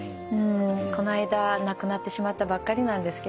この間亡くなってしまったばっかりなんですけど。